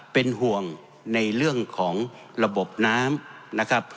เป็นห่วงในเรื่องของระบบน้ำนะครับ